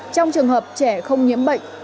trong trường hợp trẻ không nhiễm bệnh